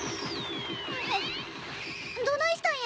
どないしたんや？